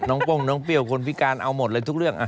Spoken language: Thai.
โป้งน้องเปรี้ยวคนพิการเอาหมดเลยทุกเรื่อง